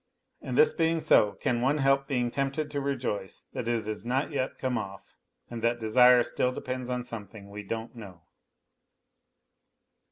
And this being so, can one help being tempted to rejoice that it has not yet come off, and that desire still depends on something we don't know